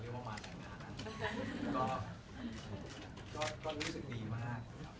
เรียกว่ามาแต่งงานนะครับ